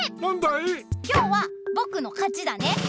今日はぼくのかちだね。